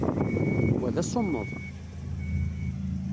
Wa d asuneḍ!